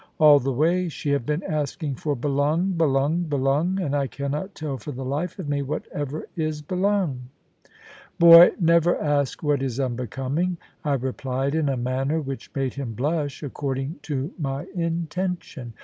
All the way she have been asking for 'belung, belung, belung.' And I cannot tell for the life of me whatever is 'belung.'" "Boy, never ask what is unbecoming," I replied, in a manner which made him blush, according to my intention.